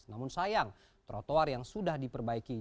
namun sayang trotoar yang sudah diperbaiki